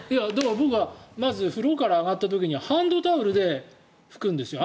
僕はまず風呂から上がった時にはハンドタオルで拭くんですよ。